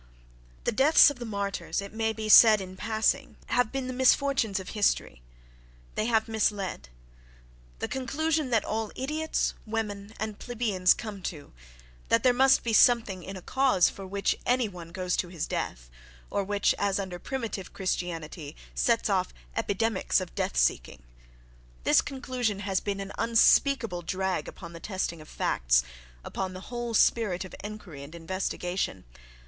—The deaths of the martyrs, it may be said in passing, have been misfortunes of history: they have misled.... The conclusion that all idiots, women and plebeians come to, that there must be something in a cause for which any one goes to his death (or which, as under primitive Christianity, sets off epidemics of death seeking)—this conclusion has been an unspeakable drag upon the testing of facts, upon the whole spirit of inquiry and investigation.